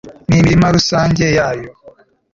n'imirima rusange yayo